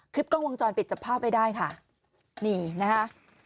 กล้องวงจรปิดจับภาพไว้ได้ค่ะนี่นะคะ